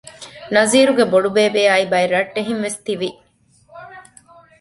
ނަޒީރުގެ ބޮޑުބޭބެ އާއި ބައެއް ރައްޓެހިންވެސް ތިވި